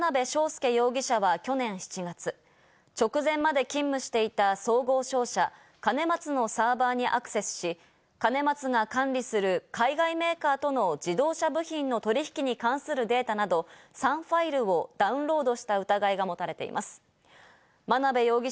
警視庁によりますと、双日の元社員・眞鍋昌奨容疑者は去年７月、直前まで勤務していた総合商社・兼松のサーバーにアクセスし、兼松が管理する海外メーカーとの自動車部品の取引に関するデータなど３ファイルをダウンロードした疑いが持たれています。